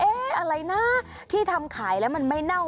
อะไรนะที่ทำขายแล้วมันไม่เน่า